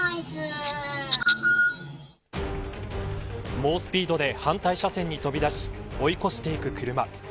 猛スピードで反対車線に飛び出し追い越していく車。